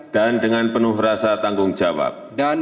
dan dengan penuh rasa tanggung jawab